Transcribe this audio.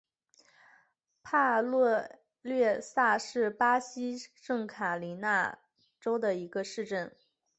帕略萨是巴西圣卡塔琳娜州的一个市镇。